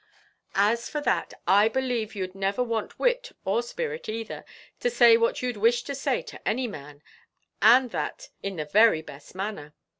"As for that, I believe you'd never want wit or spirit either, to say what you'd wish to say to any man, and that in the very best manner.